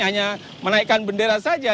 hanya menaikkan bendera saja